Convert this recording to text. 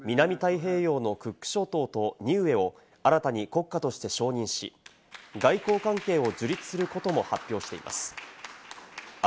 また、南太平洋のクック諸島とニウエを新たに国家として承認し、外交関係を樹立することも発表しています。